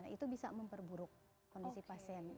itu bisa memperburuk kondisi pasien